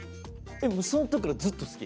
そん時からずっと好き？